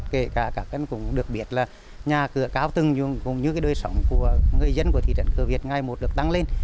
kể cả các em cũng được biết là nhà cửa cao tưng cũng như cái đôi sống của người dân của thị trấn cửa việt ngày một được tăng lên